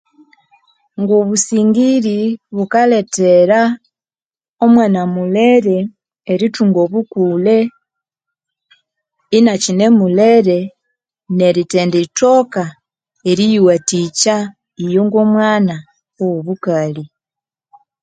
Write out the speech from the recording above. Ngo'obusingiri bukalethera omwana mulere erithunga obukule inakyine mulere nerithendithoka eriyiwathikya iyo ngo'omwana owo'obukali.